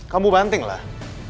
kamu banting lah